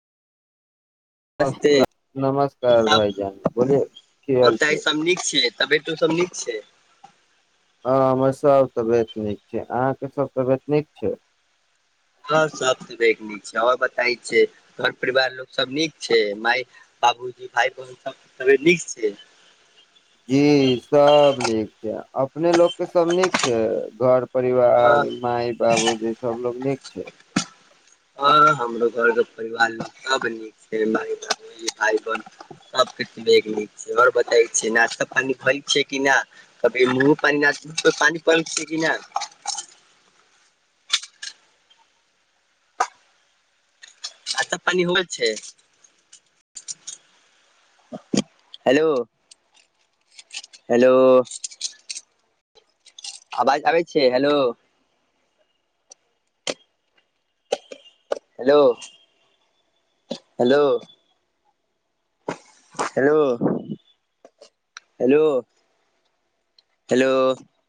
नस्ते नमस्कार नमस्कार सब भाईजान बोलिए की हाल आओ छै सब नीक छै तबियतो सब नीक छै [unintelligible] हँ हमर सभ तबियत नीक छै अहाँके सब तबियत नीक छै हँ सा त देखनी [unintelligible] आओर बताय छै घर परिवार लोक सब नीक छै माय बाबूजी भाय बहिन सब नीक छै जी सब नीक छै अपने लोक के सब नीक छै घर परिवार हँ माय बाबू जेसब लोग निक छै छै ह हमरो घरके परिवार सब नीक छै भाय बहन सबके नीक छै आओर बताै छै नाचा पानी भ छै कि नहि कभी मु पान प छै कि छाता पाइन हो छै हेलो हेलो आवाज आबै छै hello hello hello hello hello hello